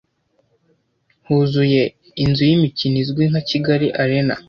huzuye inzu y’imikino izwi nka Kigali Arena